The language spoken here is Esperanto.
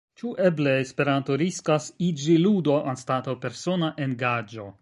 Ĉu eble Esperanto riskas iĝi ludo anstataŭ persona engaĝo?